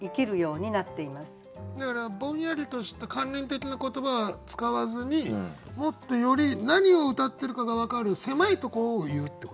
だからぼんやりとした観念的な言葉は使わずにもっとより何をうたってるかが分かる狭いとこを言うってことですかね。